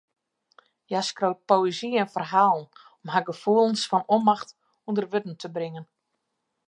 Hja skriuwt poëzy en ferhalen om har gefoelens fan ûnmacht ûnder wurden te bringen.